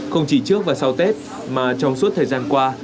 không chỉ trước và sau tết mà trong suốt thời gian qua